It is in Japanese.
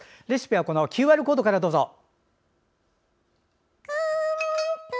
レシピはＱＲコードからどうぞ。